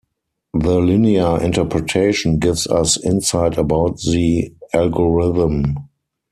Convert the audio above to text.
The linear interpretation gives us insight about the algorithm.